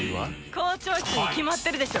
校長室に決まってるでしょ。